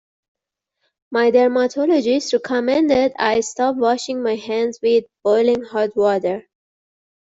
My dermatologist recommended I stop washing my hands with boiling hot water.